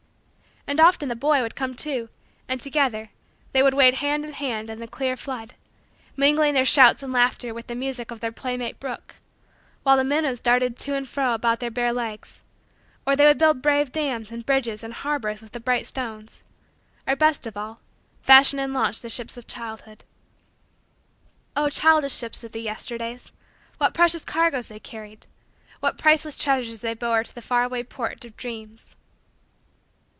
And often the boy would come, too, and, together, they would wade hand in hand in the clear flood, mingling their shouts and laughter with the music of their playmate brook, while the minnows darted to and fro about their bare legs; or, they would build brave dams and bridges and harbors with the bright stones; or, best of all, fashion and launch the ships of childhood. Oh, childish ships of the Yesterdays! What precious cargoes they carried! What priceless treasures they bore to the far away port of dreams!